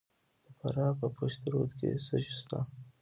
د فراه په پشت رود کې څه شی شته؟